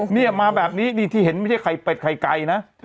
นี่มาแบบนี้นี่ที่เห็นไม่ใช่ไข่เป็ดไข่ไก่นะ